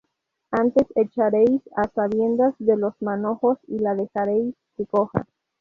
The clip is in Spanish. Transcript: Antes echaréis á sabiendas de los manojos, y la dejaréis que coja.